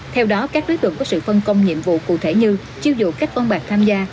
theo đó các đối tượng có sự phân công nhiệm vụ cụ thể như chiêu dụ các văn bản tham gia